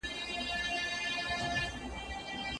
اخره زمانه سوه د چرګانو یارانه سوه.